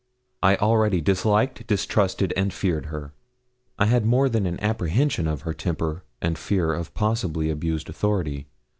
I already disliked, distrusted, and feared her. I had more than an apprehension of her temper and fear of possibly abused authority.